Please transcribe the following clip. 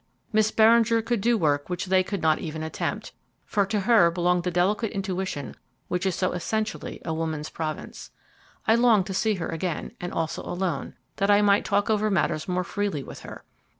Miss Beringer could do work which they could not even attempt, for to her belonged the delicate intuition which is so essentially a woman's province. I longed to see her again, and also alone, that I might talk over matters more freely with her.